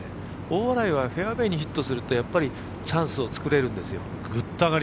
大洗はフェアウエーにヒットするとやっぱりチャンスを作れるんですよ。